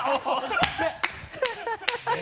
ハハハ